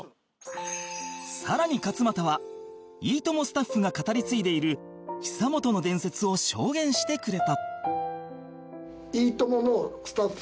さらに勝俣は『いいとも！』スタッフが語り継いでいる久本の伝説を証言してくれた